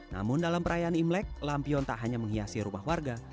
namun dalam perayaan imlek lampion tak hanya menghiasi rumah warga